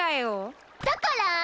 だから？